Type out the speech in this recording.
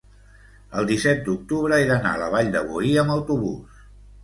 el disset d'octubre he d'anar a la Vall de Boí amb autobús.